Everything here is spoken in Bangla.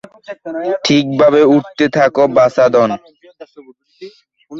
ঠিকভাবে উড়তে থাকো, বাছাধন।